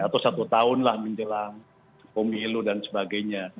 atau satu tahun lah menjelang pemilu dan sebagainya